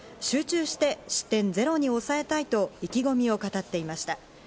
集中して失点ゼロに抑えたいと意気込みを語っていました。